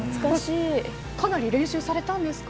かなり練習されたんですか。